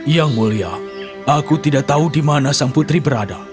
yang mulia aku tidak tahu di mana sang putri berada